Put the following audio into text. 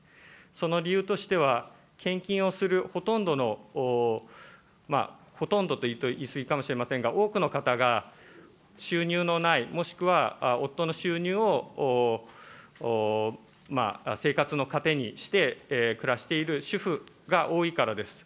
その理由としては、献金をするほとんどの、ほとんどと言うと言い過ぎかもしれませんが、多くの方が、収入のない、もしくは夫の収入を生活の糧にして暮らしている主婦が多いからです。